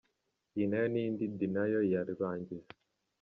Iyi nayo ni indi “denial” ya rurangiza.